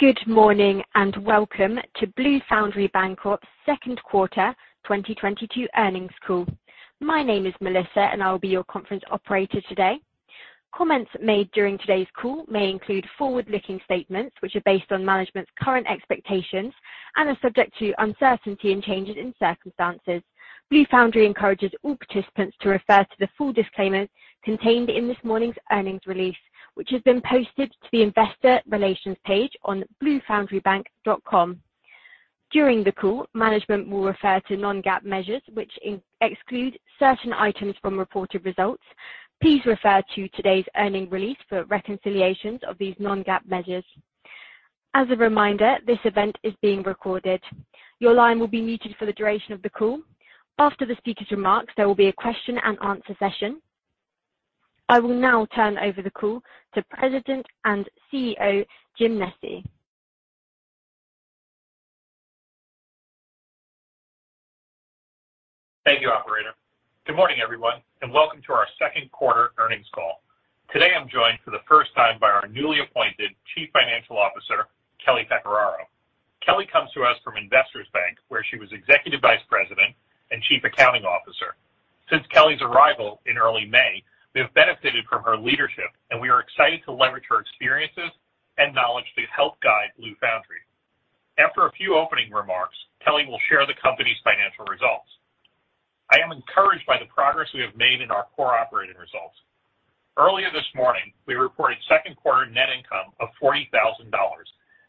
Good morning, and welcome to Blue Foundry Bancorp's Q2 2022 earnings call. My name is Melissa, and I'll be your conference operator today. Comments made during today's call may include forward-looking statements which are based on management's current expectations and are subject to uncertainty and changes in circumstances. Blue Foundry encourages all participants to refer to the full disclaimer contained in this morning's earnings release, which has been posted to the investor relations page on bluefoundrybank.com. During the call, management will refer to non-GAAP measures which exclude certain items from reported results. Please refer to today's earnings release for reconciliations of these non-GAAP measures. As a reminder, this event is being recorded. Your line will be muted for the duration of the call. After the speaker's remarks, there will be a question-and-answer session. I will now turn over the call to President and CEO James Nesci. Thank you, operator. Good morning, everyone, and welcome to our Q2 earnings call. Today I'm joined for the first time by our newly appointed Chief Financial Officer, Kelly Pecoraro. Kelly comes to us from Investors Bank, where she was Executive Vice President and Chief Accounting Officer. Since Kelly's arrival in early May, we have benefited from her leadership, and we are excited to leverage her experiences and knowledge to help guide Blue Foundry. After a few opening remarks, Kelly will share the company's financial results. I am encouraged by the progress we have made in our core operating results. Earlier this morning, we reported Q2 net income of $40 thousand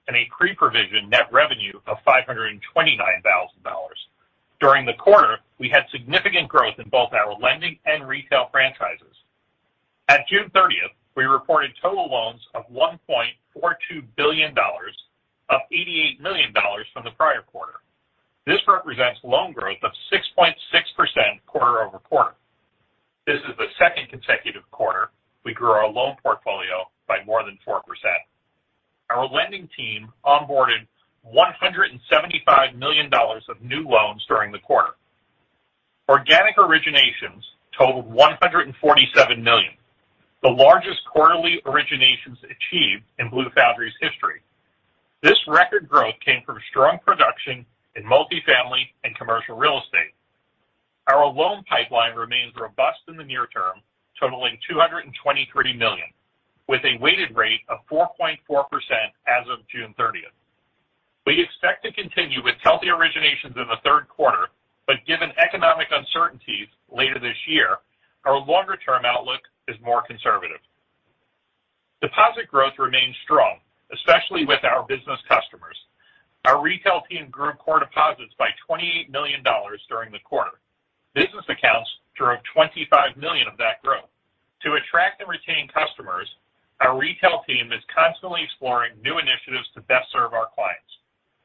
and a pre-provision net revenue of $529 thousand. During the quarter, we had significant growth in both our lending and retail franchises. At June 30, we reported total loans of $1.42 billion, up $88 million from the prior quarter. This represents loan growth of 6.6% quarter-over-quarter. This is the second consecutive quarter we grew our loan portfolio by more than 4%. Our lending team onboarded $175 million of new loans during the quarter. Organic originations totaled $147 million, the largest quarterly originations achieved in Blue Foundry's history. This record growth came from strong production in multifamily and commercial real estate. Our loan pipeline remains robust in the near term, totaling $223 million, with a weighted rate of 4.4% as of June 30. We expect to continue with healthy originations in the third quarter, but given economic uncertainties later this year, our longer-term outlook is more conservative. Deposit growth remains strong, especially with our business customers. Our retail team grew core deposits by $28 million during the quarter. Business accounts drove $25 million of that growth. To attract and retain customers, our retail team is constantly exploring new initiatives to best serve our clients.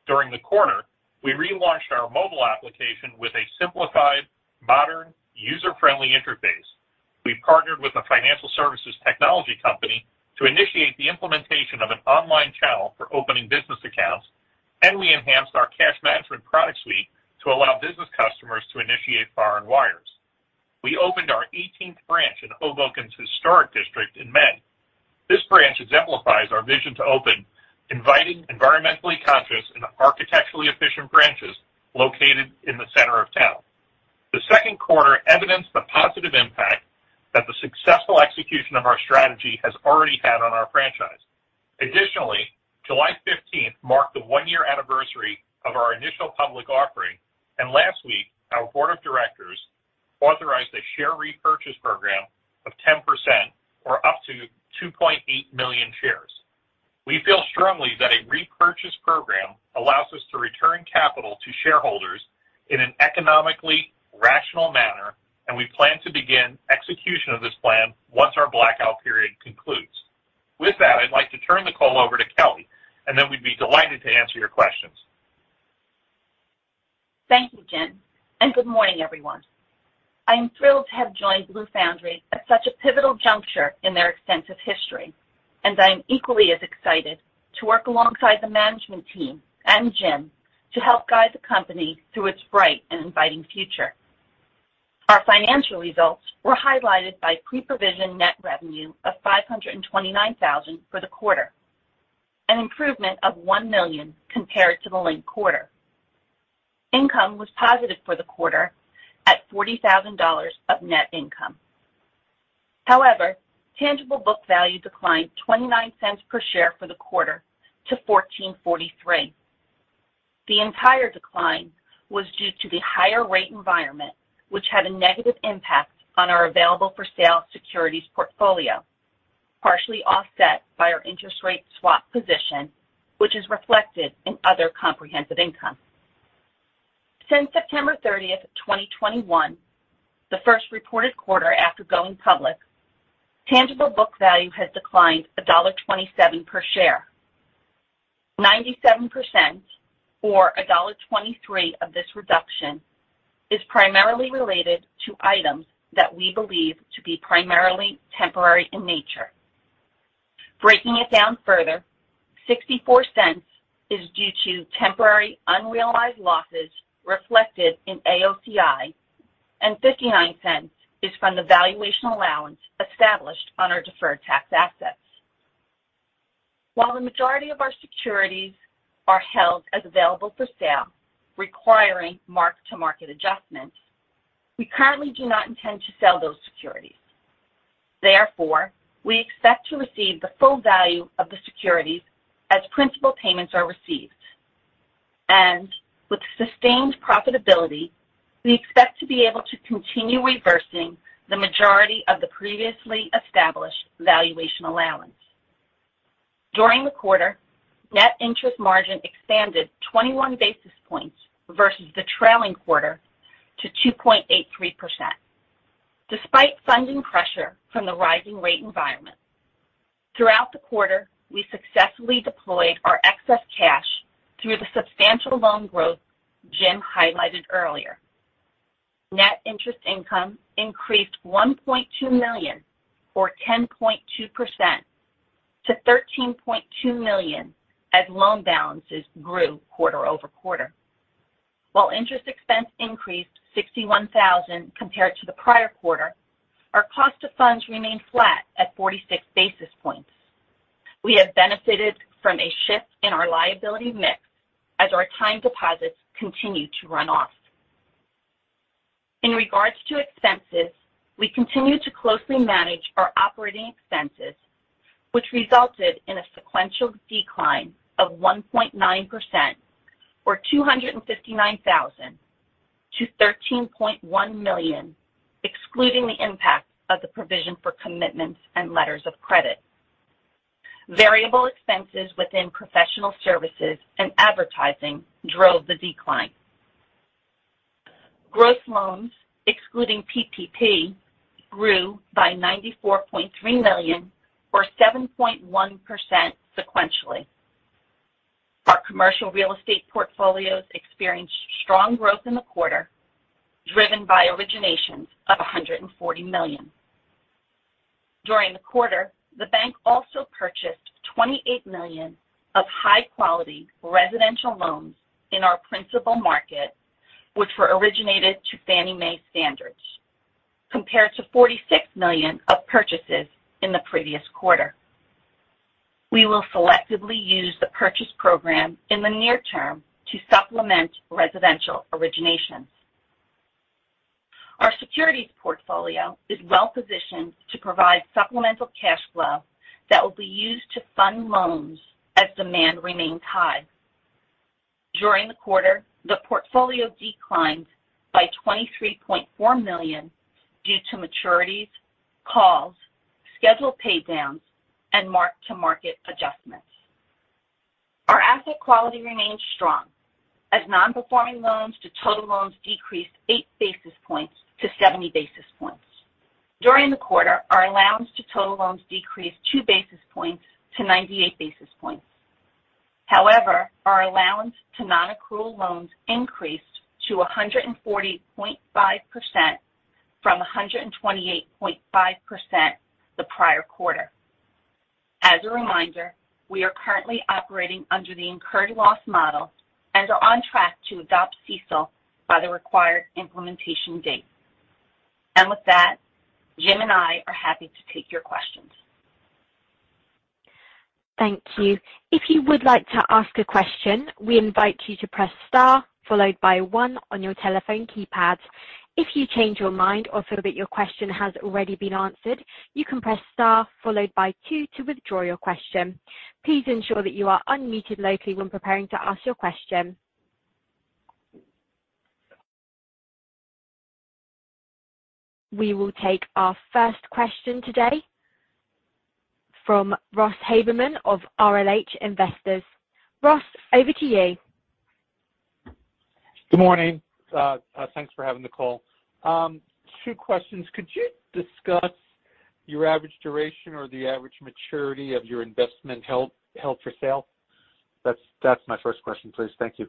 During the quarter, we relaunched our mobile application with a simplified, modern, user-friendly interface. We partnered with a financial services technology company to initiate the implementation of an online channel for opening business accounts, and we enhanced our cash management product suite to allow business customers to initiate foreign wires. We opened our 18th branch in Hoboken's historic district in May. This branch exemplifies our vision to open inviting, environmentally conscious, and architecturally efficient branches located in the center of town. The Q2 evidenced the positive impact that the successful execution of our strategy has already had on our franchise. Additionally, July fifteenth marked the one-year anniversary of our initial public offering, and last week our board of directors authorized a share repurchase program of 10% or up to 2.8 million shares. We feel strongly that a repurchase program allows us to return capital to shareholders in an economically rational manner, and we plan to begin execution of this plan once our blackout period concludes. With that, I'd like to turn the call over to Kelly, and then we'd be delighted to answer your questions. Thank you, Jim, and good morning, everyone. I am thrilled to have joined Blue Foundry at such a pivotal juncture in their extensive history, and I am equally as excited to work alongside the management team and Jim to help guide the company through its bright and inviting future. Our financial results were highlighted by pre-provision net revenue of $529,000 for the quarter, an improvement of $1 million compared to the linked quarter. Income was positive for the quarter at $40,000 of net income. However, tangible book value declined 29 cents per share for the quarter to $14.43. The entire decline was due to the higher rate environment, which had a negative impact on our available-for-sale securities portfolio, partially offset by our interest rate swap position, which is reflected in other comprehensive income. Since September 30, 2021, the first reported quarter after going public, tangible book value has declined $1.27 per share. 97% or $1.23 of this reduction is primarily related to items that we believe to be primarily temporary in nature. Breaking it down further, $0.64 is due to temporary unrealized losses reflected in AOCI. $0.59 is from the valuation allowance established on our deferred tax assets. While the majority of our securities are held as available-for-sale, requiring mark-to-market adjustments, we currently do not intend to sell those securities. Therefore, we expect to receive the full value of the securities as principal payments are received. With sustained profitability, we expect to be able to continue reversing the majority of the previously established valuation allowance. During the quarter, net interest margin expanded 21 basis points versus the trailing quarter to 2.83% despite funding pressure from the rising rate environment. Throughout the quarter, we successfully deployed our excess cash through the substantial loan growth Jim highlighted earlier. Net interest income increased $1.2 million, or 10.2% to $13.2 million as loan balances grew quarter-over-quarter. While interest expense increased $61,000 compared to the prior quarter, our cost of funds remained flat at 46 basis points. We have benefited from a shift in our liability mix as our time deposits continue to run off. In regards to expenses, we continue to closely manage our operating expenses, which resulted in a sequential decline of 1.9% or $259,000 to $13.1 million, excluding the impact of the provision for commitments and letters of credit. Variable expenses within professional services and advertising drove the decline. Gross loans, excluding PPP, grew by $94.3 million or 7.1% sequentially. Our commercial real estate portfolios experienced strong growth in the quarter, driven by originations of $140 million. During the quarter, the bank also purchased $28 million of high quality residential loans in our principal market, which were originated to Fannie Mae standards, compared to $46 million of purchases in the previous quarter. We will selectively use the purchase program in the near term to supplement residential originations. Our securities portfolio is well positioned to provide supplemental cash flow that will be used to fund loans as demand remains high. During the quarter, the portfolio declined by $23.4 million due to maturities, calls, scheduled pay downs, and mark-to-market adjustments. Our asset quality remains strong as nonperforming loans to total loans decreased 8 basis points to 70 basis points. During the quarter, our allowance to total loans decreased 2 basis points to 98 basis points. However, our allowance to nonaccrual loans increased to 140.5% from 128.5% the prior quarter. As a reminder, we are currently operating under the incurred loss model and are on track to adopt CECL by the required implementation date. With that, Jim and I are happy to take your questions. Thank you. If you would like to ask a question, we invite you to press star followed by one on your telephone keypad. If you change your mind or feel that your question has already been answered, you can press star followed by two to withdraw your question. Please ensure that you are unmuted locally when preparing to ask your question. We will take our first question today from Ross Haberman of RLH Investors. Ross, over to you. Good morning. Thanks for having the call. Two questions. Could you discuss your average duration or the average maturity of your investment held for sale? That's my first question, please. Thank you.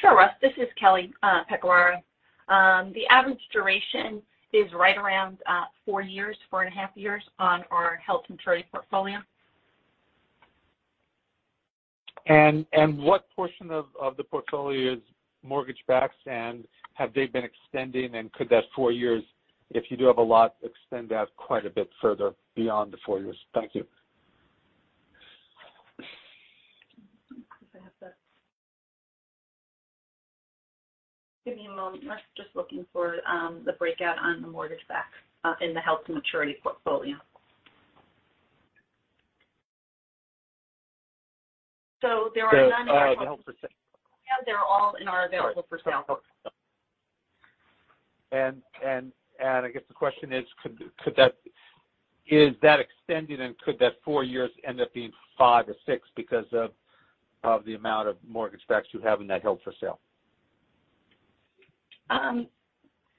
Sure, Ross. This is Kelly Pecoraro. The average duration is right around four years, 4.5 years on our held-to-maturity portfolio. What portion of the portfolio is mortgage-backed? Have they been extending? Could that four years, if you do have a lot, extend out quite a bit further beyond the four years? Thank you. Give me a moment, Ross. Just looking for the breakout on the mortgage backs in the held-to-maturity portfolio. There are none. They're all in our available-for-sale. I guess the question is that extended and could that four years end up being five or six because of the amount of mortgage backs you have in that held for sale?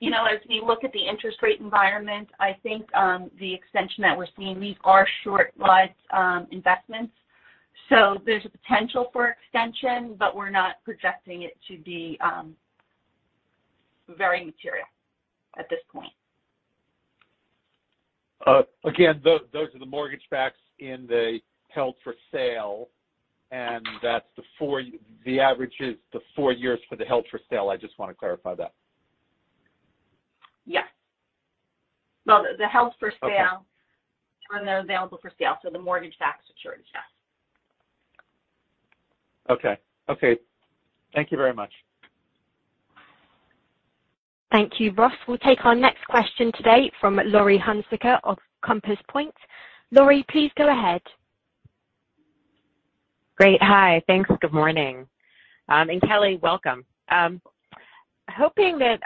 You know, as we look at the interest rate environment, I think the extension that we're seeing, these are short-lived investments, so there's a potential for extension, but we're not projecting it to be very material at this point. Again, those are the mortgage facts in the held-for-sale, and that's the four—the average is the four years for the held-for-sale. I just wanna clarify that. Yes. Well, the held for sale. Okay. the available for sale, so the mortgage-backed security, yes. Okay. Thank you very much. Thank you, Ross. We'll take our next question today from Laurie Hunsicker of Compass Point. Laurie, please go ahead. Great. Hi. Thanks. Good morning, Kelly, welcome. Hoping that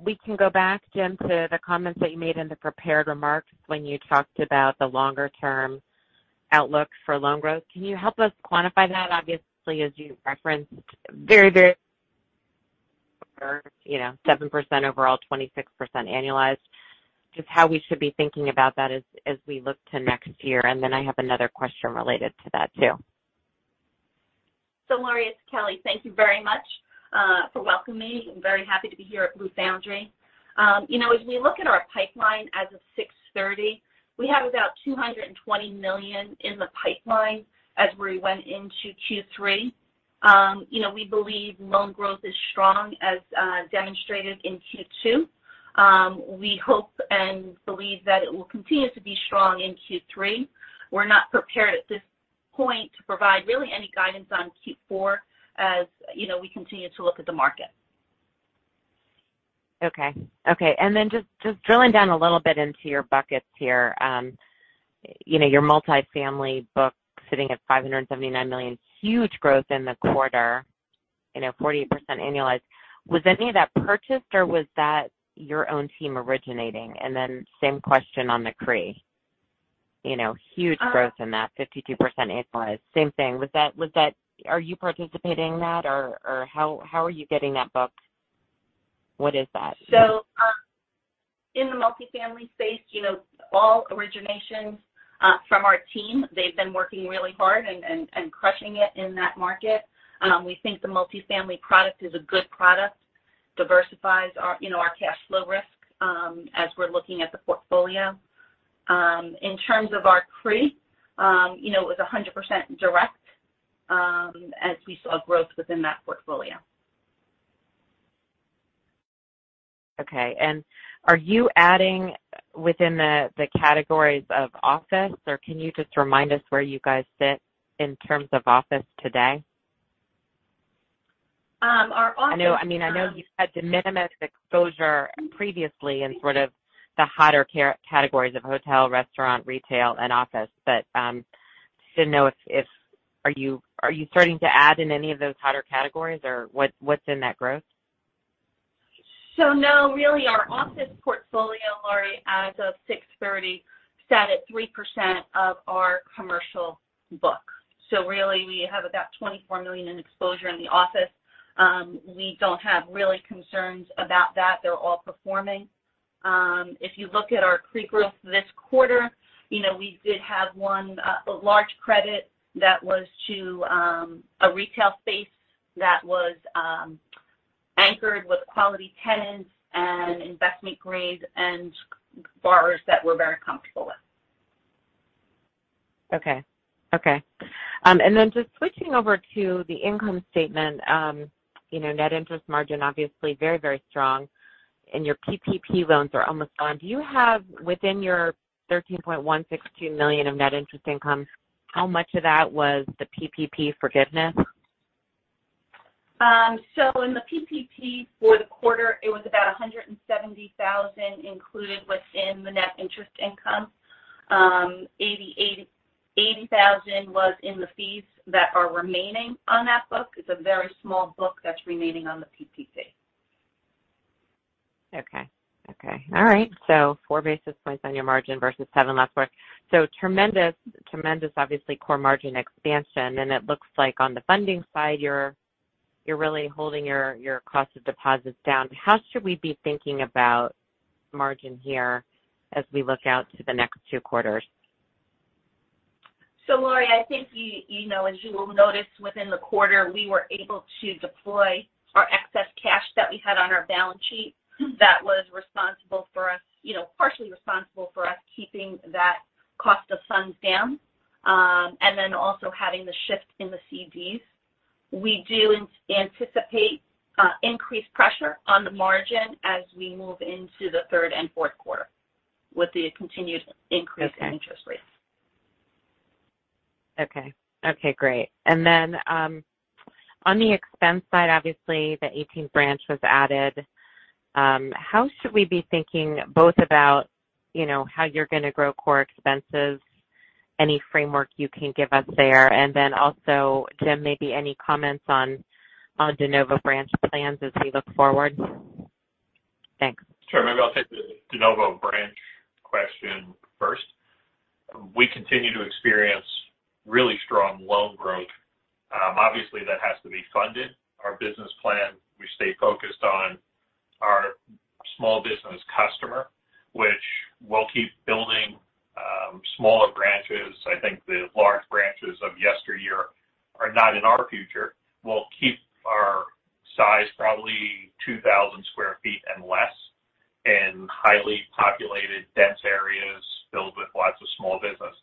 we can go back, Jim, to the comments that you made in the prepared remarks when you talked about the longer term outlook for loan growth. Can you help us quantify that? Obviously, as you referenced very, you know, 7% overall, 26% annualized. Just how we should be thinking about that as we look to next year. I have another question related to that too. Laurie, it's Kelly. Thank you very much for welcoming me. I'm very happy to be here at Blue Foundry. You know, as we look at our pipeline as of June 30, we have about $220 million in the pipeline as we went into Q3. You know, we believe loan growth is strong as demonstrated in Q2. We hope and believe that it will continue to be strong in Q3. We're not prepared at this point to provide really any guidance on Q4 as you know, we continue to look at the market. Okay. Just drilling down a little bit into your buckets here. You know, your multifamily book sitting at $579 million, huge growth in the quarter, you know, 48% annualized. Was any of that purchased, or was that your own team originating? Same question on the CRE. You know, huge growth in that 52% annualized. Same thing. Are you participating in that, or how are you getting that book? What is that? In the multifamily space, you know, all originations from our team, they've been working really hard and crushing it in that market. We think the multifamily product is a good product. Diversifies our, you know, our cash flow risk as we're looking at the portfolio. In terms of our CRE, you know, it was 100% direct as we saw growth within that portfolio. Okay. Are you adding within the categories of office, or can you just remind us where you guys sit in terms of office today? Our office. I know, I mean, I know you said de minimis exposure previously in sort of the hotter CRE categories of hotel, restaurant, retail, and office. Just didn't know if you are starting to add in any of those hotter categories or what's in that growth? Really our office portfolio, Laurie, as of 6/30, sat at 3% of our commercial book. Really we have about $24 million in exposure in the office. We don't have really concerns about that. They're all performing. If you look at our CRE growth this quarter, you know, we did have one large credit that was to a retail space that was anchored with quality tenants and investment grade and borrowers that we're very comfortable with. Okay. Just switching over to the income statement, you know, net interest margin obviously very, very strong, and your PPP loans are almost gone. Do you have within your $13.162 million of net interest income, how much of that was the PPP forgiveness? In the PPP for the quarter, it was about $170,000 included within the net interest income. $80,000 was in the fees that are remaining on that book. It's a very small book that's remaining on the PPP. Okay. All right. Four basis points on your margin versus seven last quarter. Tremendous obviously core margin expansion. It looks like on the funding side, you're really holding your cost of deposits down. How should we be thinking about margin here as we look out to the next two quarters? Laurie, I think you know, as you will notice within the quarter, we were able to deploy our excess cash that we had on our balance sheet that was responsible for us, you know, partially responsible for us keeping that cost of funds down. Also having the shift in the CDs. We do anticipate increased pressure on the margin as we move into the third and fourth quarter with the continued increase in interest rates. Okay, great. On the expense side, obviously the eighteenth branch was added. How should we be thinking both about, you know, how you're gonna grow core expenses, any framework you can give us there? Jim, maybe any comments on de novo branch plans as we look forward? Thanks. Sure. Maybe I'll take the de novo branch question first. We continue to experience really strong loan growth. Obviously that has to be funded. Our business plan, we stay focused on our small business customer, which we'll keep building smaller branches. I think the large branches of yesterday are not in our future. We'll keep our size probably 2,000 sq ft and less in highly populated, dense areas filled with lots of small business.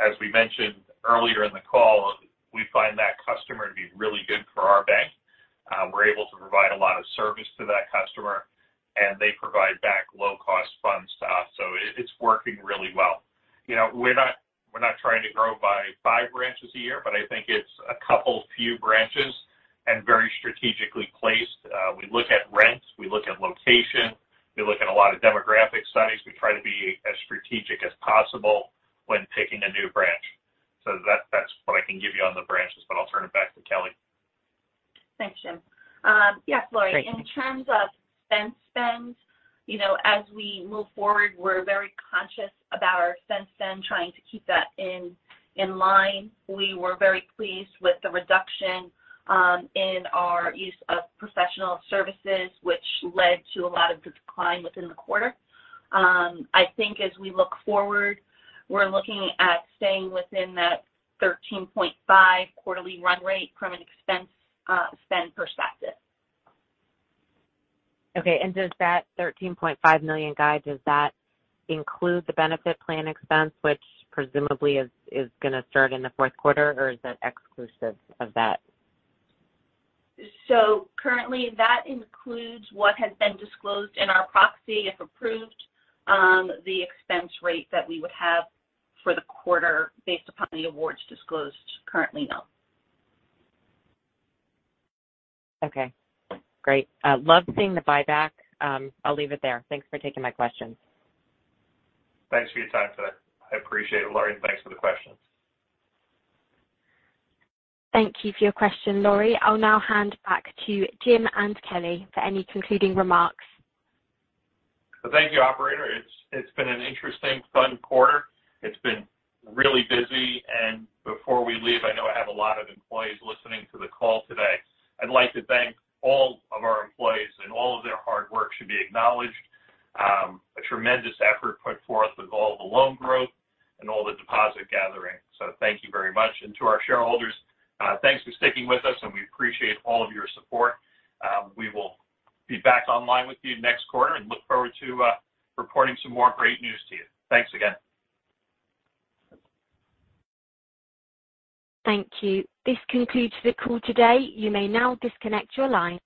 As we mentioned earlier in the call, we find that customer to be really good for our bank. We're able to provide a lot of service to that customer, and they provide back low-cost funds to us, so it's working really well. You know, we're not trying to grow by 5 branches a year, but I think it's a couple few branches and very strategically placed. We look at rents, we look at location, we look at a lot of demographic studies. We try to be as strategic as possible when picking a new branch. That's what I can give you on the branches, but I'll turn it back to Kelly. Thanks, Jim. Yes, Laurie. Great. In terms of expense spend, you know, as we move forward, we're very conscious about our expense spend, trying to keep that in line. We were very pleased with the reduction in our use of professional services, which led to a lot of decline within the quarter. I think as we look forward, we're looking at staying within that $13.5 quarterly run rate from an expense spend perspective. Okay. Does that $13.5 million guide include the benefit plan expense, which presumably is gonna start in the fourth quarter, or is it exclusive of that? Currently, that includes what has been disclosed in our proxy, if approved, the expense rate that we would have for the quarter based upon the awards disclosed currently, no. Okay, great. I loved seeing the buyback. I'll leave it there. Thanks for taking my questions. Thanks for your time today. I appreciate it, Laurie, and thanks for the questions. Thank you for your question, Laurie. I'll now hand back to Jim and Kelly for any concluding remarks. Thank you, operator. It's been an interesting, fun quarter. It's been really busy. Before we leave, I know I have a lot of employees listening to the call today. I'd like to thank all of our employees, and all of their hard work should be acknowledged. A tremendous effort put forth with all the loan growth and all the deposit gathering. Thank you very much. To our shareholders, thanks for sticking with us, and we appreciate all of your support. We will be back online with you next quarter and look forward to reporting some more great news to you. Thanks again. Thank you. This concludes the call today. You may now disconnect your line.